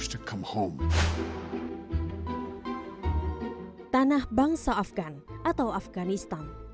tanah bangsa afghan atau afganistan